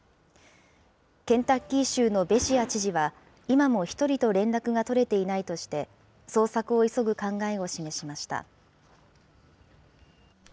ケンタッキー州のベシア知事は、今も１人と連絡が取れていないとして、捜索を急ぐ考えを示しました。